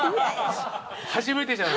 初めてじゃない？